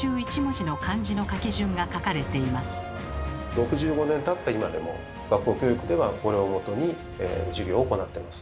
６５年たった今でも学校教育ではこれをもとに授業を行ってます。